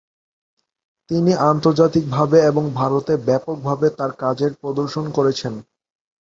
তিনি আন্তর্জাতিকভাবে এবং ভারতে ব্যাপকভাবে তার কাজের প্রদর্শন করেছেন।